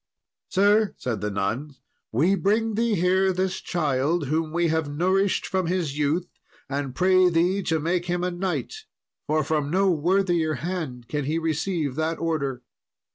"Sir," said the nuns, "we bring thee here this child whom we have nourished from his youth, and pray thee to make him a knight, for from no worthier hand can he receive that order."